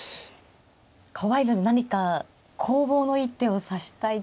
怖いので何か攻防の一手を指したい気がする。